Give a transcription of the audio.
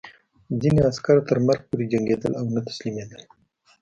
ځینې عسکر تر مرګ پورې جنګېدل او نه تسلیمېدل